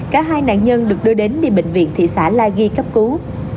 cả hai nạn nhân được đưa đến đi bệnh viện thị xã la ghi cấp cứu